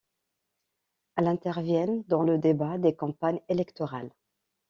Elles interviennent dans le débats des campagnes électorales.